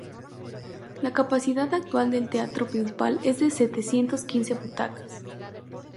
La capacidad actual del teatro principal es de setecientos quince butacas.